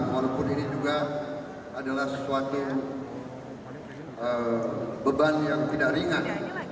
walaupun ini juga adalah sesuatu beban yang tidak ringan